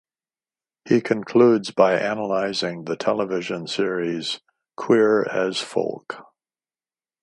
He concludes by analysing the television series "Queer as Folk".